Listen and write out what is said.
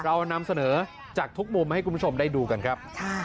เรานำเสนอจากทุกมุมให้คุณผู้ชมได้ดูกันครับ